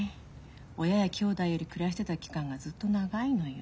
親やきょうだいより暮らしてた期間がずっと長いのよ。